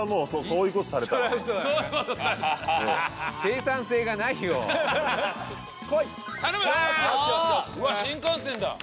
うわ新幹線だ。